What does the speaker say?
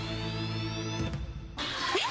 えっ？